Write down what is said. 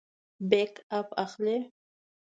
بیک اپ اخلئ؟